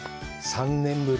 ３年ぶり！？